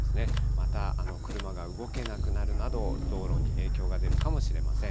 また、車が動けなくなるなど、道路に影響が出るかもしれません。